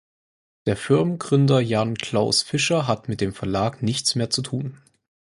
Der Firmengründer Jan Klaus Fischer hat mit dem Verlag nichts mehr zu tun.